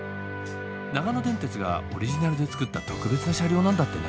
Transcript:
長野電鉄がオリジナルで作った特別な車両なんだってね。